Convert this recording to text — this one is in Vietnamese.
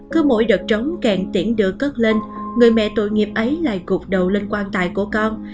cứ mỗi đợt trống càng tiễn đựa cất lên người mẹ tội nghiệp ấy lại gục đầu lên quan tài của con